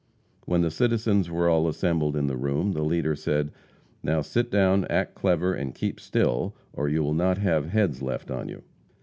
When the citizens were all assembled in the room, the leader said: "Now, sit down, act clever and keep still, or you will not have heads left on you."